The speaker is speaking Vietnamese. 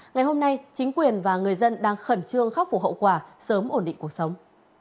ngày hôm nay chính quyền và người dân đang khẩn trương khắc phục hậu quả sớm ổn định cuộc sống